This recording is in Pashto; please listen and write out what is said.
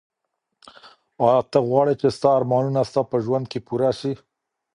ایا ته غواړې چي ستا ارمانونه ستا په ژوند کي پوره سي؟